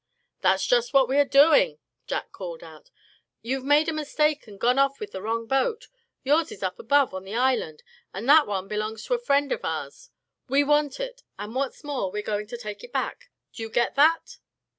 "That's just what we are doing," Jack called out. "You've made a mistake and gone off with the wrong boat. Yours is up above, on the island; and that one belongs to a friend of ours. We want it; and what's more, we're going to take it back. Do you get that?"